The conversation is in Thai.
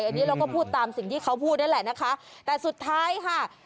อันนี้เราก็พูดตามสิ่งที่เขาพูดนั่นแหละนะคะแต่สุดท้ายค่ะ